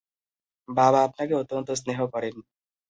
বাবা আপনাকে অত্যন্ত স্নেহ করেন।